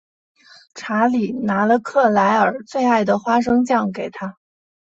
查理拿了克莱尔最爱的花生酱给她。